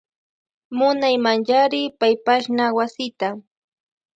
Munaymanchari paypashna wasita.